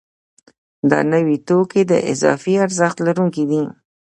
دا نوي توکي د اضافي ارزښت لرونکي دي